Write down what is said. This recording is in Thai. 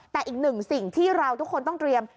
แต่อีกหนึ่งสิ่งที่เราทุกคนต้องเตรียม